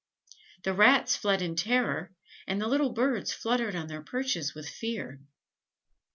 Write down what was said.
The Rats fled in terror, and the little Birds fluttered on their perches with fear.